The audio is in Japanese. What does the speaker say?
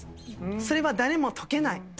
それは誰も解けない。